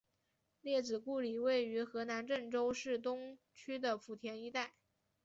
列子故里位于河南郑州市东区的圃田一带。